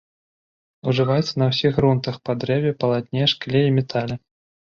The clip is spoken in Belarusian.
Ужываецца на ўсіх грунтах па дрэве, палатне, шкле і метале.